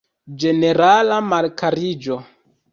Ĝenerala malkariĝo.